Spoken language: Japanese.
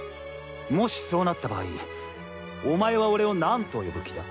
もしそうなった場合お前は俺を何と呼ぶ気だ？